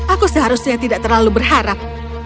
aku seharusnya tidak terlalu berharap